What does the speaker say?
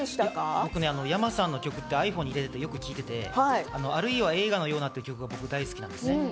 僕、ｙａｍａさんの曲ってｉＰｈｏｎｅに入れてよく聴いていて、『あるいは映画のような』という曲が大好きなんです。